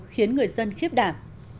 khiến người dân khiếp đảm